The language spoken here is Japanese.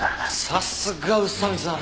さすが宇佐見さん！